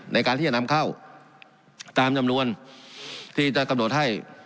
ในการที่จะนำเข้าตามจำนวนที่จะกำหนดให้